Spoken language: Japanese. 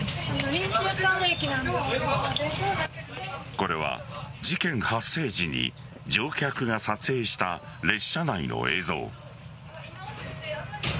これは事件発生時に乗客が撮影した列車内の映像。